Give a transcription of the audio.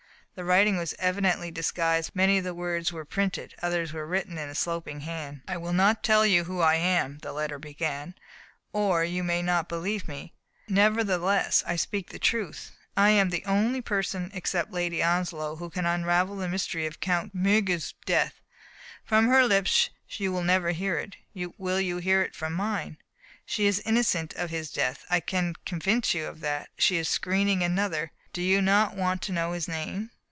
The writing was evi dently disguised, many of the words were printed, others written in a sloping hand. I will not tell you who I am," the letter began, "or you may not believe me; neverthe less, I speak the truth. I am the only person, except Lady Onslow, who can unravel the mys tery of Count de Miirger's death. From her lips you will never hear it ; will you hear it from mine? "She is innocent of his death; I can convince you of that. She is screening another. Do you not want to know his name?